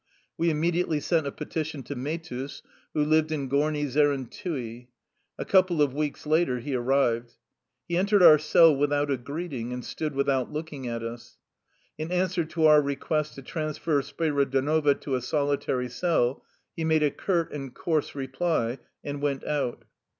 We immediately sent a petition to Mehtus, who lived in Gorni Zerentui. A couple of weeks later he arrived. He entered our cell without a greeting, and stood without looking at us. In answer to our request to transfer Spiridonova to a solitary cell he made a curt and coarse re ply, and went out.